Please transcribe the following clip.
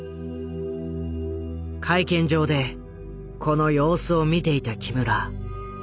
会見場でこの様子を見ていた木村。